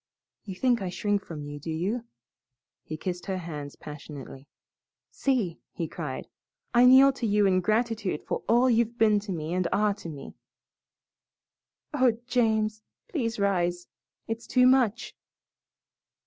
You think I shrink from you, do you?" and he kissed her hands passionately. "See," he cried, "I kneel to you in gratitude for all you've been to me and are to me." "Oh, James! Please rise. It's too much."